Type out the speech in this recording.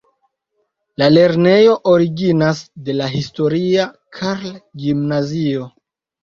La lernejo originas de la historia Karl-gimnazio.